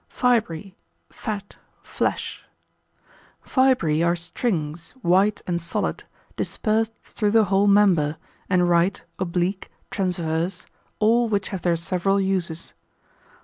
Fibrae, Fat, Flesh.] Fibrae are strings, white and solid, dispersed through the whole member, and right, oblique, transverse, all which have their several uses.